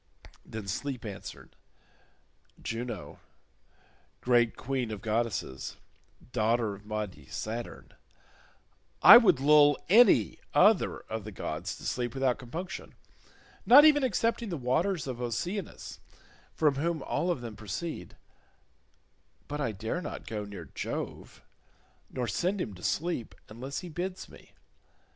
Then Sleep answered, "Juno, great queen of goddesses, daughter of mighty Saturn, I would lull any other of the gods to sleep without compunction, not even excepting the waters of Oceanus from whom all of them proceed, but I dare not go near Jove, nor send him to sleep unless he bids me.